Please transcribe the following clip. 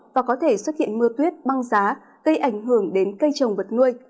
và có thể xuất hiện mưa tuyết băng giá gây ảnh hưởng đến cây trồng vật nuôi